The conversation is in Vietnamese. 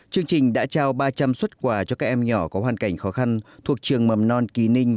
chương trình đã trao ba trăm linh xuất quà cho các em nhỏ có hoàn cảnh khó khăn thuộc trường mầm non kỳ ninh